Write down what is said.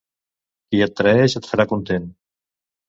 Qui et traeix et farà content.